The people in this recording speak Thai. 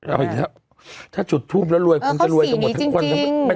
เออเขาสีนี้จริง